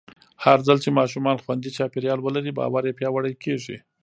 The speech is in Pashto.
هرځل چې ماشومان خوندي چاپېریال ولري، باور یې پیاوړی کېږي.